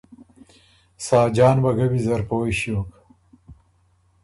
ساجان وه ګه ویزر پویٛ ݭیوک